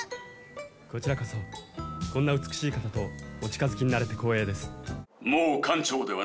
こちらこそこんな美しい方とお近付きになれて光栄です。